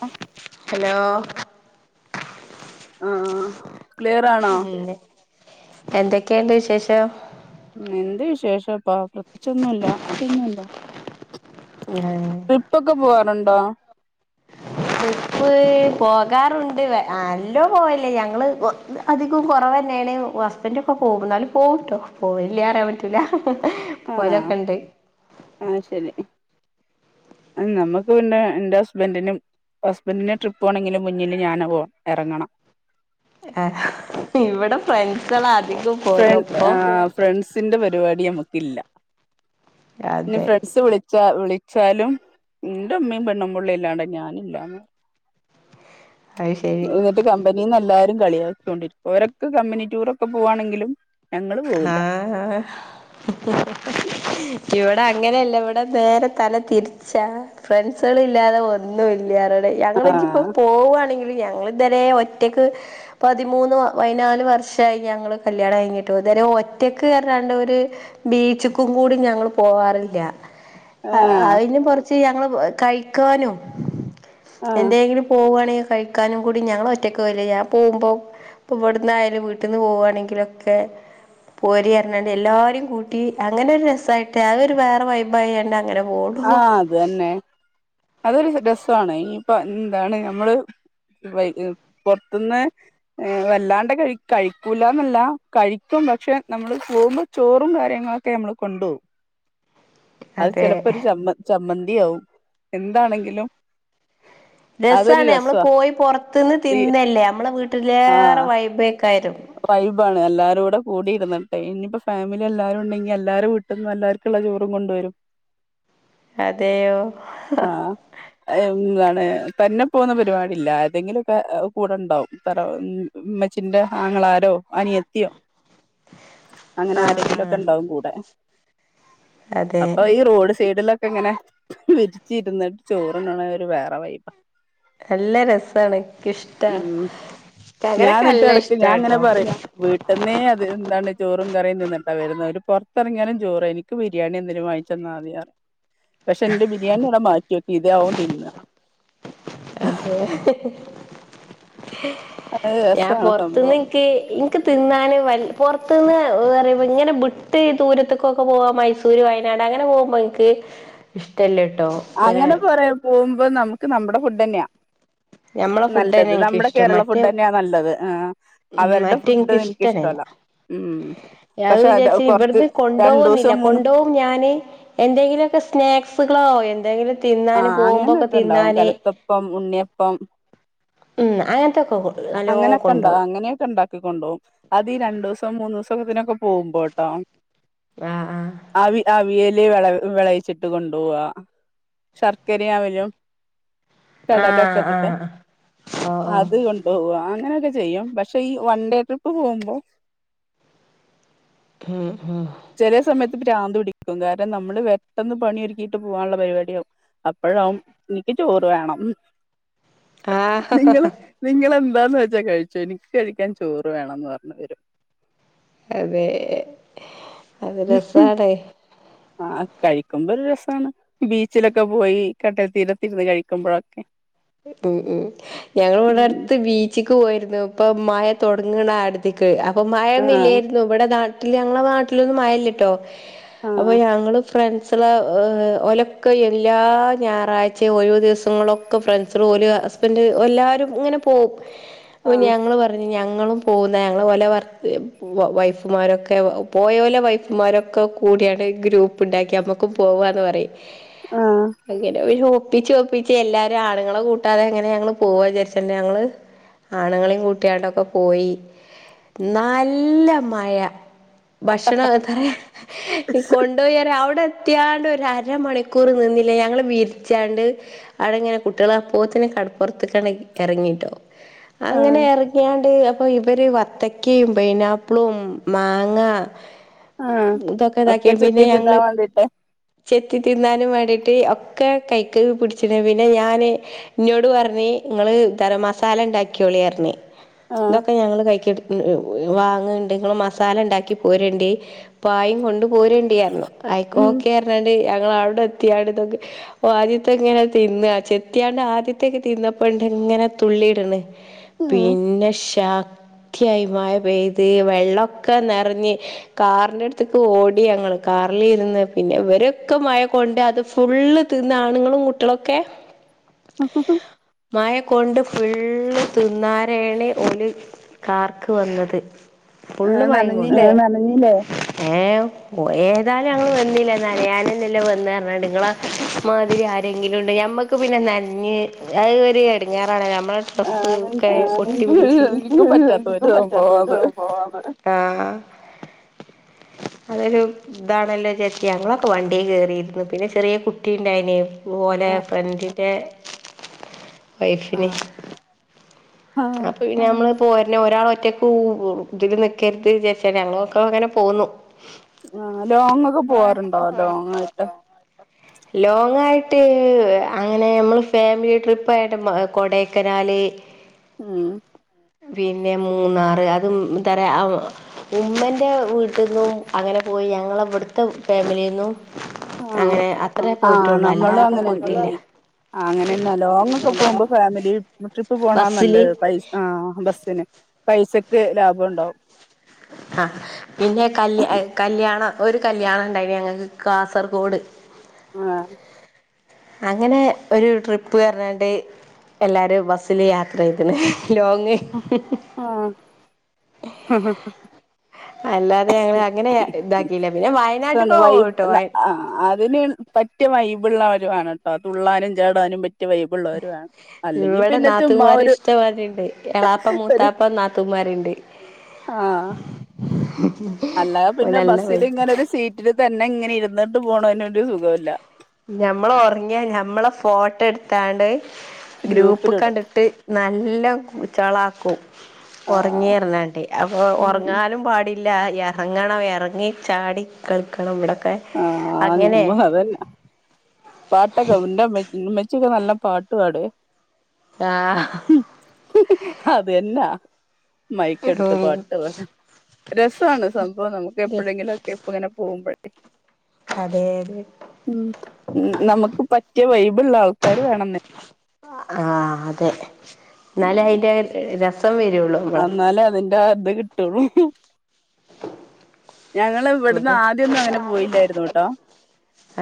ആ ഹലോ? ആഹ് ക്ലിയർ ആണോ ഉം നി എന്തെക്കെണ്ട് വിശേഷം? എന്ത് വിശേഷപ്പോ പ്രതെചൊന്നുല്ല. ഒന്നുല്ല ആഹ് ട്രിപ്പൊക്കെ പോവാറുണ്ടോ? ട്രിപ്പ് പോകാറുണ്ട് വ അല്ലോ പോവല്ല്യ ഞങ്ങള് ഒ അധികം കൊറവന്നാണ് ഹസ്ബൻ് ഒക്കെ പോകും ന്നാലും പോവുംട്ടോ പോവല്യ അറിയാപറ്റൂല ഹഹ ആഹ് ആ ശെരി. നമ്മുക്ക് പിന്നെ എന്റെസ്ബന്റിനും ഹസ്ബന്റിന് ട്രിപ്പോണെങ്കില് മുന്നില് ഞാന് പോ എറങ്ങണം. ഹെ ഇവിടെ ഫ്രണ്ട്സെളാ അധികും. ഫ്രണ്ട് ആ ഫ്രണ്ട്സിന്റെ പരിവാടി അമ്മക്കില്ല. നി അതെ ഫ്രെണ്ട്സ്‌ വ്ളി ച്ച വിളിച്ചാലും എന്റെ അമ്മീ പെണ്ണും പുള്ളി ഇല്ലാണ്ട് ഞാനില്ലാന്ന്. അത് ശരി എന്നിട്ട് കം മ്പനീന്നെല്ലാരും കളിയാക്കൊണ്ടിരിക്കും ഓരെക്കെ കമ്പനിടൂറക്കെ പോവാണെങ്കിലും. ഞങ്ങള് പോവില്ല ആഹ് ഹഹ ഇവടെങ്ങനല്ല ഇവടെ നേരെ തല തിരു ച്ചാ ഫ്രണ്ട്സെളില്ലാതെ ഒന്നും ഇല്ലാറോടെ ഞങ്ങെള് ജ്ജ്പ്പോ ആഹ് പോവാണെങ്കിലും ഞങ്ങള് ഇതരെ ഒറ്റക്ക് പതിമൂന്ന് പയിനാല് വർഷായി ഞങ്ങള് കല്യാണം കഴിഞ്. റ്റുതരെ ഒറ്റക്കെർഞാണ്ട് ഒര് ബീച്ച്ക്ക്‌ കൂടി ഞങ്ങള് പോവാറില്ല. അ ആഹ് അയിന് പറച്ച് ഞങ്ങള് പ കഴിക്കാനും. ആഹ് എന്തെങ്കിലും പോവാണെങ്കി കഴി ക്കാനുംകൂടി ഞങ്ങള് ഒറ്റക്കോ വലില്ല ഞാ പൊമ്പോ പ വ്ട്ന്നായാലും വീട്ടിന്ന് പോവാണെങ്കിലൊക്കെ പോരിഅർഞ്ഞാണ്ട് എല്ലാരി കൂട്ടി അങ്ങനെഒരുരസായിട്ട് അതൊരു വേറെ വൈബായാണ്ട് അങ്ങനെ പോവോൾ ആഹ് അതന്നെ അതൊരു രസാണ് ഇനിയിപ്പൊ ന്താണ് അമ്മള് പൊർത്തുന്ന് ഏ വല്ലാണ്ട് കയ് കഴിക്കൂലന്നല്ല കഴിക്കും പക്ഷെ നമ്മള് പോമ്പോ ചോറും കാര്യങ്ങളൊക്കെ ഞമള് കൊണ്ടോവും അത് അതെ ചെലപ്പോ ഒരു ചമ്മ ചമ്മന്തിയാവും എന്താണെങ്കിലും അതൊരു രസാണ് അമ്ള് രസവാ പോയി പൊർത്തുന്ന് ഈ തിന്നല്ലേ നമ്മളെ വീട്ടിലേറെ ആഹ് വൈബേക്കാരം വൈബാണ് എല്ലാരൂടെകൂടിന്ന്ട്ട് ഇനിയിപ്പോ ഫാമിലി എല്ലാരും ഉണ്ടെങ്കി എല്ലാരും വ് ട്ട്ന്ന് എല്ലാർക്കുള്ള ചോറും കൊണ്ടുവരും അതെയോ ഹ ന്നാണ് തന്നെപോന്നപരിപാടില്ല ആരെതെങ്കിലൊക്കെ കൂടെണ്ടാവും തറോ മ്മച്ചിന്റെ ആങ്ങളാരോ അനിയത്തിയോ ആഹ് അങ്ങനാരെങ്കില്ലൊക്കെണ്ടാവും കൂടെ അതെ അപ്പൊ ഈറോഡ് സൈഡിലോ പ്പങ്ങനെ വെച്ചിരിന്നിട്ട് ചോറ്ന്ന്ണേ ഒരു വേറെ വൈബാ അല്ലെ രസാണ് ക്ക്ഇഷ്ട്ടാ ഞാന്ന്ട്ട് എട്ക്ക് ഞാൻ ഇങ്ങനെ പർയും വ് ന്നെയ അത് എന്താണ് ചോറും കറിയും നിന്നിട്ടാ വരുന്ന ഒരു പുറത്തിറങ്ങാനും ചോറ് എനിക്ക് ബിരിയാണി എന്തിനും വാ ചെന്നാതിറ പക്ഷെ എന്റെ ബിരിയാണിടെ മാറ്റിയോക്കെ ഇത ആവും തിന്ന അതെ ഞാൻ രസാണ് പൊർത്തുന്ന് സംഭവം ഇൻക്ക് തിന്നൻ വ പുറത്ത്ന്ന് വ ഇങ്ങെനെ വിട്ട് ഈ ദൂരത്തക്കൊക്കെ പോകൻ മൈസൂ സൂര് വയനാട് അങ്ങനെ പോകുമ്പ എനിക്ക് ഇഷ്ടമല്ല കേട്ടോ അങ്ങനെ പോ പോകുമ്പോ നമുക്ക് നമ്മുടെ ഫുഡന്നെയാ ഞമ്മളെ ഫുഡന്നെ നല്ലത് എനിക്ക് നമ്മടെ ഇഷ്ടം കേരള മറ്റേ ഫുഡ് തന്നെയാ നല്ലത് ആഹ് ഉം അവര്ടെ മറ്റേ ഫുഡ് എനിക്ക് ഇഷ്ടന്നല്ല എനിക്കിഷ്ടല്ല ഉം അത് പക്ഷെ അ വിചാരിച്ച കൊറച്ച് ഇവിടുന്ന് രണ്ടു കൊണ്ടോവൊന്നില്ല ദിവസം മൂന്ന് കൊണ്ടോവും ഞാന് എന്തെങ്കിലുക്കെ സ്നാക്സുകളോ എന്തെങ്കിലും തിന്നാന് പോകുമ്പോക്കെ തിന്നാന് പ്പം ഉണ്ണിയപ്പം ഉം അങ്ങനത്തൊക്കെ നല്ലോ അങ്ങനൊക്കെ ഉണ്ടോ കൊണ്ടോവും അങ്ങനെയൊക്കെ ഉണ്ടാ കൊണ്ടുപോകും അത് രണ്ടുസം മൂന്ന് ദിവസംത്തിനൊക്കെ പോകുമ്പോട്ടോ ആഹ് അവ അവിയല വിള വിളയിച്ചിട്ട് കൊണ്ടുപോവാ ശർക്കര ആവലും ആഹ് കടലൊക്കെ ഇട്ടിട്ട് ആഹ് ആഹ് ഓ ഓ അതുകൊണ്ട് ഓ അങ്ങനെയൊക്കെ ചെയ്യും പക്ഷെ ഈ വൺ ഡേ ട്രിപ്പ് പോകുമ്പ ഉം ഉം ചെല സമയത്ത് ഭ്രാന്ത് പിടിക്കും കാരണം നമ്മള് പെട്ടെന്ന് പണിയ ഒരുക്കിയിട്ട് പോകാനുള്ള പരിപാടിയാകും അപ്പഴ ഇൻക്ക് ചോറ് വേണം നിങ്ങള് ആഹ് നിങ്ങളെന്താന്ന് വെച്ചാ കഴിച്ചോ എനിക്ക് കഴിക്കാൻ ചോറ് വേണംന്ന് പറഞ്ഞ് വരും അതെ അത് രസണേ ആഹ് കഴിക്കുമ്പോ ഒരു രസണ് ബീച്ചിലൊക്കെ പോയി കട്ട തീരത്തിരുന്ന് കഴിക്കുമ്പോഴൊക്കെ ഉം ഉം ഞങ്ങൾ ഉം ഉണർത്ത് ബീച്ചക്ക് പോയിരുന്നു ഇപ്പൊ മഴ തൊടങ്ങണ അടു ഇക്ക് അപ്പൊ ആഹ് മഴൊന്നില്ലേര്ന്നു വടെ നാട്ടില് ഞങ്ങളെ നാട്ടിലൊന്നും മഴ ല്ല്യട്ടോ അപ്പൊ ആഹ് ഞങ്ങള് ഫ്രൺ സല ഓഹ് ഒലക്ക എല്ലാ ഞായറാഴ്ച്ചേം ഒഴിവ് ദിവസങ്ങളൊ ക്ക ഫ്രണ്ട് സള ഓല് ഹസ്‌ബൻ്റ് എല്ലാരും ഇങ്ങനെ പോവും പ്പൊ ആഹ് ഞങ്ങള് പർ പർഞ്ഞ് ഞങ്ങളും പോവും ന്ന ഞങ്ങളെ ഓലെ വർക്ക് വ വൈഫുമാരൊക്കെ പോയോലെ വൈഫുമാരൊ ക്കെ കൂട്യാണ്ട് ഒര് ഗ്രൂപ്പ് ണ്ടാക്കി അമ്മക്കും പോവാന്ന് പറയും ആഹ് പയ്യെ [unintelligible] പിന്നെ ഒപ്പിച്ചൊപ്പിച്ച് എല്ലാരാണ്ങ്ങളെ കൂട്ടാതെ ങ്ങനെ ഞങ്ങള് പോവാചാര്ച്ചണ്ട് ഞങ്ങള് ആണ്ങ്ങളെ കൂട്ട്യാണ്ടൊക്കെ പോയി നല്ല മഴ ഭക്ഷണ എത്തറെയ കൊണ്ടോയറ്യാ അവടെത്ത്യാണ്ടൊരരമണിക്കൂർ നിന്നില്ല ഞങ്ങള് വിരിച്ചാണ്ട് അടെങ്ങനെ കുട്ട്യെളപ്പോത്തിന് കടപ്പൊർത്ത്കാണ്ട് ഇറങ്ങിട്ടോ അങ്ങനെ ആഹ് ഇറങ്ങ്യാണ്ട് അപ്പോ ഇവര് വത്തക്കിം പൈനാപ്പ്ളും മാങ്ങ ആഹ് ഇതൊക്കെ താക്കി ഒക്കെ പിന്നെ ചെത്തി ഞങ്ങള് തിന്നാൻ വേണ്ടിട്ട് ചെത്തി തിന്നാനും വേണ്ടിയിട്ട് ഒക്കെ കൈക്ക് പിടിച്ച്ണ് പിന്നെ ഞാ ന് ഇന്നോട് പർഞ്ഞ് ഇങ്ങള് ഗരം മസാലണ്ടാക്ക്യോള്യർഞ്ഞ്. ആഹ് ഇതൊക്കെ ഞങ്ങള് കൈകെട് എഹ് എഹ് വാങ്ങ്ണ്ട് ഇങ്ങള് മസാല ണ്ടാക്കി പോരണ്ടി പായിം കൊണ്ട് പോര ണ്ടിയർഞ്ഞു അയ് ഉം ഓക്കെ ഞ്ഞാണ്ട് ഞങ്ങ വടെത്ത്യാട് തൊക്കെ ഓഹ് ആദ്യത്തെങ്ങനെ തിന്ന ചെ ത്ത്യാണ്ട് ആദ്യത്തേക്ക് തിന്നപ്പോണ്ട് ങ്ങനെ തുള്ളി ട്ണ്. ഉം പിന്നെ ശ ക്ത്യായി മഴ പെയ്ത് വെള്ളൊക്കെ നെറഞ്ഞ് കാറിന്റെട്ത്ത്ക്ക് ഓടി ഞങ്ങള് കാറിലിര്ന്ന് പിന്നെ ഇവരൊക്കെ മഴ കൊണ്ട് അത് ഫുള്ള് തിന്ന് ആണ്ങ്ങളും കുട്ട്യെളൊക്കെ മഴ കൊണ്ട് ഫുള്ള് തിന്നാരേണ് ഓല് കാറ്ക്ക് വന്നത് ഫുള്ള് ആഹ് മഴിം കൊണ്ട്. നനഞ്ഞില്ലേ ആണാണ് നഞ്ഞ്ല്ലേ ഏം ഒഹ് ഏതാലും ഞങ്ങള് വന്നില്ല നനയാനന്നല്ലേ വന്നേർഞ്ഞാണ്ട് ഇങ്ങള മാതിരി ആരെങ്കിലുണ്ട് ഞമ്മക്ക് പിന്നെ നഞ്ഞ് അത് ഒര് എടങ്ങേറാണല്ലേ നമ്മളട് ഡ്രസ്സ് ആഹ് ക്കെ എനിക്ക് ഒട്ടി പിടിച്ച് എനിക്കും പറ്റാത്ത ഒരു [unintelligible] സംഭവാ അത് പറ്റാത്തോൽക്കൊക്കെ പോവാം പറ ആഹ് അതൊരു താണല്ലോച്ചാര്ച്ച് ഞങ്ങളൊക്കെ വണ്ടി കേറിര്ന്ന് പിന്നെ ചെറ്യേ കുട്ടി ണ്ടായിനി. ഓലെ ആഹ് ഫ്രണ്ടിന്റെ വൈഫിന്. ആഹ് ആഹ് അപ്പൊ പിന്നെ അമ്മള് പോര്ണെ ഒരാളൊറ്റ ത്തൂന്നു ഇതില് നിക്കര്ത് ചാര്ച്ചാണ്ട് ഞങ്ങളൊക്കൊങ്ങനെ പോന്നു. ആഹ് ലോങ്ങൊക്കെ പോവാറ്ണ്ടോ ലോങ്ങായിട്ട്. ലോങ്ങായിട്ട് അങ്ങനെ അമ്മള് ഫാമിലി ട്രിപ്പായിട്ട് ബ കൊടൈക്കനാല് ഉം പിന്നെ മൂന്നാറ് അതും ന്തറ്യാ അത് ഉമ്മൻ്റെ വീട്ട്ന്നും അങ്ങനെ പോയി ഞങ്ങളവട്ത്തെ ഫാമിലിന്നും ആഹ് അങ്ങനെ അത്രേ പോയിട്ടൊള്ളു അല്ലാതെ പോയിട്ടില്ല. ആഹ് അങ്ങനെന്നാ ലോങ്ങൊക്കെ പോവുമ്പോ ഫാമിലി ട്രിപ്പ് പോണാ ബസ്സില് നല്ലത്. പൈ ആഹ് ബസ്സിന് പൈസക്ക് ലാഭം ഉണ്ടാവും ആ പിന്നെ കല് കല്യാണം ഒരു കല്യാണം ഉണ്ടായിന് ഞങ്ങൾക്ക് കാസർഗോഡ് ആഹ് അങ്ങനെ ഒരു ട്രിപ്പ് പറഞ്ഞാണ്ട് എല്ലാവരും ബസ്സിൽ യാത്ര യാത്ര ചെയ്ത്ണ് ലോങ്ങ് ആഹ് അല്ലാതെ ഞങ്ങള് അങ്ങനെ ഇതാക്കിയില്ല പിന്നെ വയനാട്ട്ക്ക് വൈബ് ട്ടോ ആ ആത് അതിന് പറ്റിയ വൈബുളള്ളവര വാണ് കേട്ടോ തുള്ളാനും ചാടാനും പറ്റി ഇവിടെ ചുമ്മാ നാത്തുൻമാര് ഒരു ഇഷ്ട്ട മാതിരി ഇണ്ട് എളാപ്പ മൂത്താ ഇപ്പം നാത്തൂൻമാരുണ്ട് ആഹ് ഓക്ക [inaudible] അല്ലാതെ പിന്നെ ബസ്സിൽ ഇങ്ങനെ ഒരു സീറ്റില് തന്നെ ഇങ്ങനെ ഇരുന്നിട്ട് പോകണന് ഒരു സുഖമില്ല ഞമ്മൾ ഉറങ്ങിയാ ഞമ്മളെ ഫോട്ടോ എടുത്താണ്ട് ഗ്രൂപ്പ് ക്കാ ഗ്രൂപ്പിലിടും ഇട്ട് നല്ല ച്ചളാക്കും ആ ഉറങ്ങിറങ്ങാണ്ടി അപ്പൊ ഉം ഉറങ്ങാലും പാടി ഇല്ല ഇറങ്ങണം ഇറങ്ങി ചാടി കളിക്കണം ഇവിടൊക്കെ ആഹ് അങ്ങനെ മ്മ അതെന്നെ പാട്ടൊക്കെ ഇന്റെ ഇമ്മച്ചി ഒക്കെ നല്ല പാട്ട് പാടുവെ ആഹ് അതെന്നാ മൈക്കെടുത്ത് ഉം പാട്ട് വേണം രസമാണ് സംഭവം നമുക്ക് അതെ എപ്പോഴെങ്കിലും ഒക്കെ ഇപ്പം ഇങ്ങനെ പോകുമ്പോ അതെ അതെ ഉം നമുക്ക് പറ്റിയ വൈബ് ഉള്ള ആൾക്കാര് വേണംന്ന് ആഹ് അതെ ഇന്നാലേ അതിന്റെ രസം വരുള്ളു ഇന്നാലേ അതിന്റെ അത് കിട്ടെള്ളൂ [inaudible] ഞങ്ങള് ഇവിടുന്ന് ങ്ങട്ട് ആദ്യൊന്നും അങ്ങനെ പോയില്ലായിരുന്നു ട്ടോ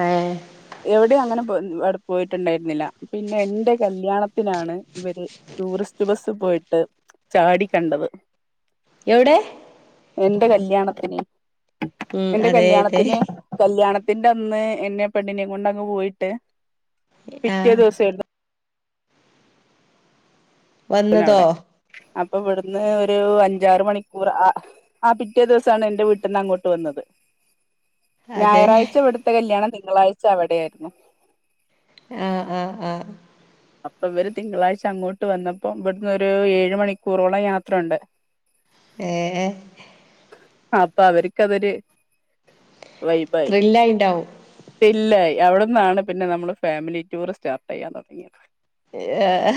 ഏഹ് എവിടെയും അങ്ങനെ പോയിട്ടുണ്ടായിരുന്നില്ല പിന്നെ എന്റെ കല്യാണത്തിനാണ് ഇവര് ടൂറിസ്റ്റ് ബസ്സ് പോയിട്ട് ചാടി കണ്ടത് എവിടെ എന്റെ കല്യാണത്തിന് ഉം എന്റെ അതെ അതെ കല്യാണത്തിന് കല്യാണത്തിന്റെ അന്ന് എന്നെ പെണ്ണിനെ കൊണ്ടങ്ങ് പോയിട്ട് പിറ്റേ ആഹ് ദിവസെയിരുന്നു വന്നതോ ന്നെവിടെ അപ്പൊ ഇവിടുന്ന് ഒരു അഞ്ചാറ് മണിക്കൂർ ആ ആ പിറ്റേ ദിവസാണ് എന്റെ വീട്ടിന്ന് അങ്ങോട്ട് വന്നത് അതെ ഞായറാഴ്ച ഇവിടുത്തെ കല്യാണം തിങ്കളാഴ്ച അവിടെയായിരുന്നു ആഹ്ആഹ്ആഹ് അപ്പൊ ഇവര് തിങ്കളാഴ്ച അങ്ങോട്ട് വന്നപ്പോ ഇവിടുന്ന് ഒരു ഏഴ് മണിക്കൂറോളം യാത്രണ്ട് ഏ ഏ അപ്പ അവർക്ക് അതൊരു വൈബായി ത്രില്ലായിണ്ടാവും ഇല്ല അവിട്ന്നാണ് പിന്നെ നമ്മള് ഫാമിലി ടൂർ സ്റ്റാർട്ട് ചെയ്യാൻ തൊടങ്ങിയത് ഏ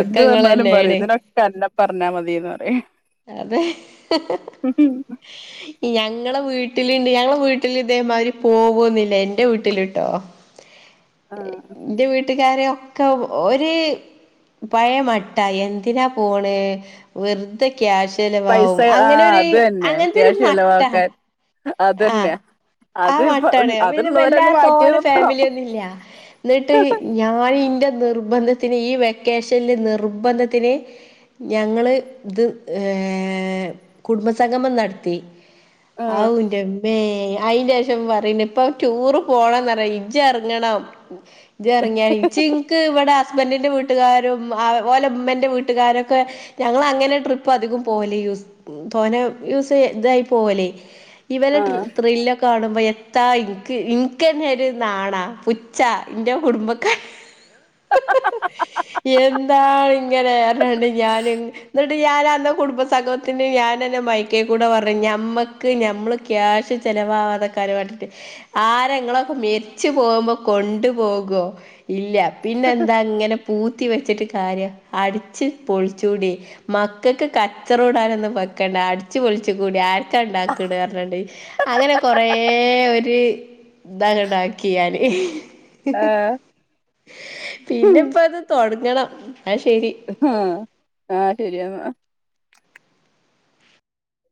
എന്ത് പറഞ്ഞാലും പറിം ഇതിനോക്കെ അന്നെ പറഞ്ഞാ മതിന്ന് പറി അത് ഞങ്ങളെ വീട്ടില്ണ്ട് ഞങ്ങളെ വീട്ടിൽ ഇതേമാതിരി പോവോന്നുല്ല എന്റെ വീട്ടിലിട്ടോ ആ എന്റെ വീട്ടുകാരോ ക്ക ഒര്പയേ മട്ട എന്തിനാ പോണ് വെറുതെ ക്യാശ് പൈസ ചെലവാകും ആ അങ്ങനൊര് അത് തന്നെ അങ്ങനത്തെരു ക്യാഷ് മട്ടാ ചെലവാക്കാൻ അതന്നെ അത് ആഹ് ഇപ്പ മട്ടണ്പിന്നെ അതുള്ളവരങ്ങ് മാറ്റി വല്ലാതോനെ നിർത്തണം ഫാമിലിയൊന്നുല്ല ന്നിട്ട് ഞാൻ ഇന്റെ നിർബന്ധത്തിന് ഈ വെക്കേഷനില് നിർബന്ധത്തിന് ഞങ്ങള് ഇത് ഏ കുടുംബ സംഗമം നടത്തി ആഹ് ആവുൻ ന്റെമ്മേ അയിന്റെഷം പറിണ്ഇപ്പൊ ടൂറ് പോണന്ന്റിയ ഇജ് എറങ്ങണം ജറങ്ങ്യായിച്ചിങ് ക്ക് ഇവിടെ ഹസ്ബൻഡിന്റെ വീട്ടുകാരും ഓലെമ്മന്റെ വീട്ടുകാരൊക്കെ ഞങ്ങള് അങ്ങനെ ട്രിപ്പ് അധികം പോവല് യൂസ് തോന യൂസ് ഇതായി പോവല് ഇവരെ ആഹ് ത്രിലെക്കെ കാണുമ്പോ എത്താ ഇന്ക്ക് ഇന്ക്ക നെ ഒരു നാണാ പുച്ചാ ഇന്റെ കുടുംബക്കാര എന്താ ഇങ്ങനെറഞ്ഞാണ്ട് ഞാന് ട്ട്ഞാനന്ന് കുടുംബ സംഘമത്തിന് ഞാനെന്നെ മൈക്ക കൂടെ പറഞ് ഞമ്മക്ക് ഞമ്മള് ക്യാഷ് ചെലവാവാതെക്കാനു വേണ്ടിട്ട് ആരങ്ങളൊക്കെ മരിച്ചു പോകുമ്പോ കൊണ്ടു പോകോ ഇല്ല പിന്നെന്താ ഇങ്ങനെ പൂത്തി വെച്ചിട്ട് കാര്യം അടിച്ച് പൊളിച്ചൂടെ മക്കക്ക് കച്ചറകൂടാനൊന്നും വെക്കണ്ട അടിച്ചു പൊളിച്ചു കൂടി ആ ക്കണ്ടാക്ക്ണ് അങ്ങനെ കൊറ ഒരു ഇതങ്ങട്ടാക്കി ഞാന് ആഹ് പിന്നെപ്പൊത് തൊടങ്ങണം ന്നാശരി മ്ഹ ആഹ് ശരി ന്നാ